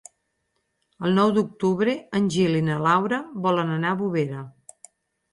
El nou d'octubre en Gil i na Laura volen anar a Bovera.